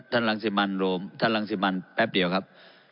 รังสิมันโรมท่านรังสิมันแป๊บเดียวครับ